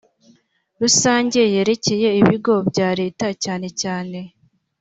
rusange yerekeye ibigo bya leta cyane cyane